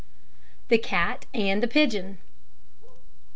THE CAT AND THE PIGEON.